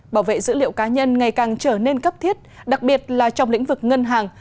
bảo vệ dữ liệu cá nhân ngày càng trở nên cấp thiết đặc biệt là trong lĩnh vực ngân hàng